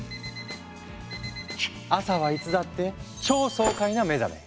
朝はいつだって超爽快な目覚め。